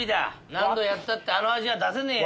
何度やったってあの味は出せねえよ。